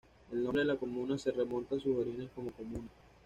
El nombre de la comuna se remonta a sus orígenes como comuna.